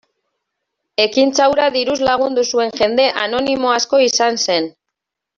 Ekintza hura diruz lagundu zuen jende anonimo asko izan zen.